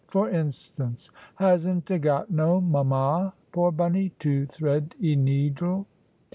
For instance: "Hasn't 'a got no mama, poor Bunny, to thread 'e needle?"